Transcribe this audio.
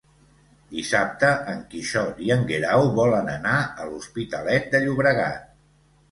Dissabte en Quixot i en Guerau volen anar a l'Hospitalet de Llobregat.